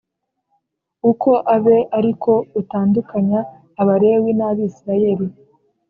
uko abe ari ko utandukanya abalewi n abisirayeli